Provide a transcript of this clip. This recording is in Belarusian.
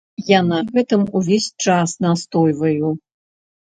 Я на гэтым увесь час настойваю.